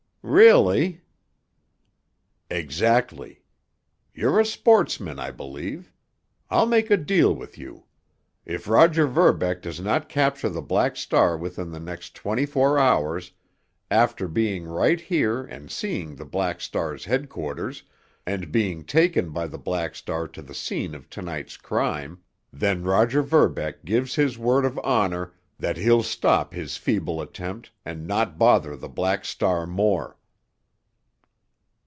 "Really?" "Exactly. You're a sportsman, I believe. I'll make a deal with you. If Roger Verbeck does not capture the Black Star within the next twenty four hours, after being right here and seeing the Black Star's headquarters, and being taken by the Black Star to the scene of to night's crime—then Roger Verbeck gives his word of honor that he'll stop his feeble attempt and not bother the Black Star more."